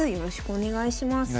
お願いします。